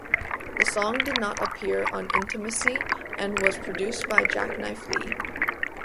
The song did not appear on "Intimacy" and was produced by Jacknife Lee.